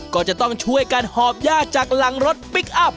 ก็จะต้องช่วยกันหอบย่าจากหลังรถพลิกอัพ